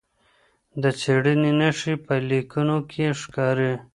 د څېړني نښې په لیکنو کي ښکاري.